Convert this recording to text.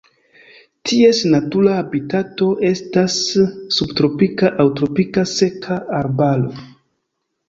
Ties natura habitato estas subtropika aŭ tropika seka arbaro.